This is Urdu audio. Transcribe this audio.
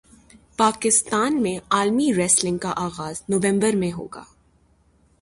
پاکستان میں عالمی ریسلنگ کا اغاز نومبر سے ہوگا